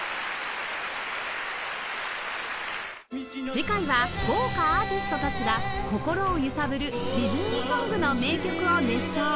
次回は豪華アーティストたちが心を揺さぶるディズニーソングの名曲を熱唱